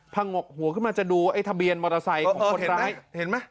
พังหกหัวขึ้นมาจะดูไอ้ทะเบียนมอเตอร์ไซค์เออเออเห็นไหมเห็นไหม